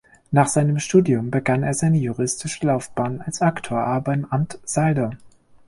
Nach seinem Studium begann er seine juristische Laufbahn als Aktuar beim Amt Salder.